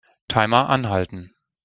Timer anhalten.